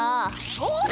そうだ！